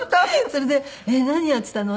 それで「何やってたの？」